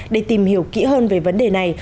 để tìm hiểu kỹ hơn về vấn đề này